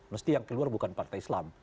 mesti yang keluar bukan partai islam